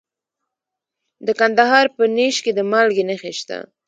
د کندهار په نیش کې د مالګې نښې شته.